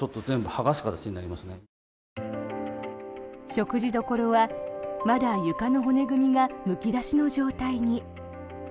食事処はまだ床の骨組みがむき出しの状態に。